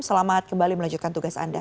selamat kembali melanjutkan tugas anda